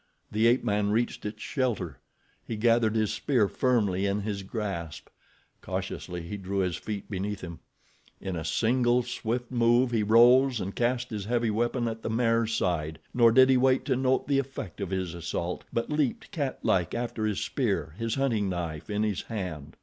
The ape man reached its shelter. He gathered his spear firmly in his grasp. Cautiously he drew his feet beneath him. In a single swift move he rose and cast his heavy weapon at the mare's side. Nor did he wait to note the effect of his assault, but leaped cat like after his spear, his hunting knife in his hand.